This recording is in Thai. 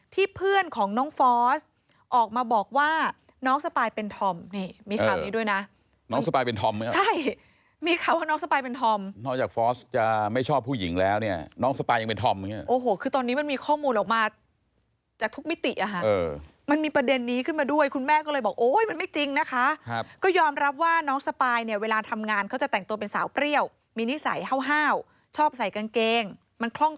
ที่เพื่อนของน้องฟอร์สออกมาบอกว่าน้องสปายเป็นธอมนี่มีคำนี้ด้วยนะน้องสปายเป็นธอมไหมครับใช่มีคำว่าน้องสปายเป็นธอมนอกจากฟอร์สจะไม่ชอบผู้หญิงแล้วเนี้ยน้องสปายยังเป็นธอมไหมครับโอ้โหคือตอนนี้มันมีข้อมูลออกมาจากทุกมิติอะฮะเออมันมีประเด็นนี้ขึ้นมาด้วยคุณแม่ก็เลยบอกโอ้ยมันไม่จริง